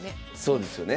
そうですよね。